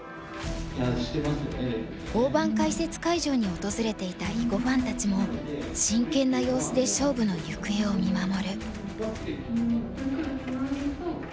大盤解説会場に訪れていた囲碁ファンたちも真剣な様子で勝負の行方を見守る。